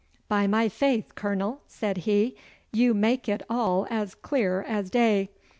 'By my faith, Colonel,' said he, 'you make it all as clear as day.